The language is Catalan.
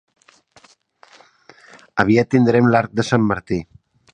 Aviat tindrem l'Arc de Sant Martí.